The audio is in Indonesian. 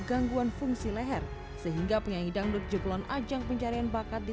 gangguan fungsi leher sehingga penyanyi dangdut jublon ajang pencarian bakat di